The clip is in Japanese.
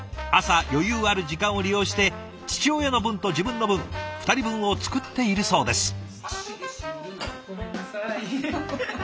朝余裕ある時間を利用して父親の分と自分の分２人分を作っているそうです。